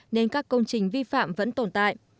nên các công trình vi phạm vẫn tồn tại